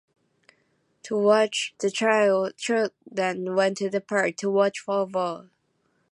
"to watch" - The children went to the park to watch football.